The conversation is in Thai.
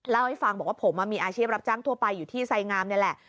เล่าให้ฟังบอกว่าผมมีอาชีพรับจ้างทั่วไปอยู่ที่ไซงามนี่แหละ